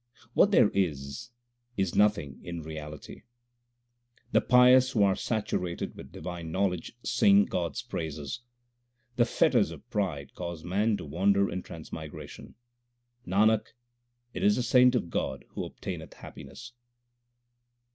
What there is, is nothing in reality The pious who are saturated with divine knowledge sing God s praises. The fetters of pride cause man to wander in trans migration. Nanak, it is the saint of God who obtaineth happiness.